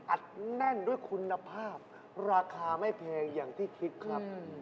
อัดแน่นด้วยคุณภาพราคาไม่แพงอย่างที่คิดครับ